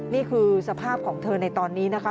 นี่คือสภาพของเธอในตอนนี้นะคะ